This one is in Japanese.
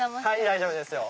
大丈夫ですよ。